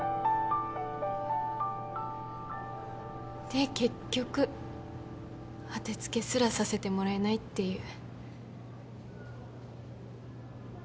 で結局当て付けすらさせてもらえないっていう。